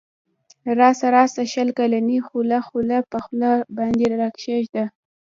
راسه راسه شل کلنی خوله خوله پر خوله باندی راکښېږده